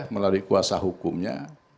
melalui kuasa hukumnya